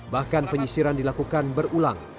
bahkan penyisiran dilakukan berulang